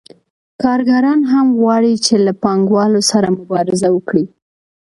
کارګران هم غواړي چې له پانګوالو سره مبارزه وکړي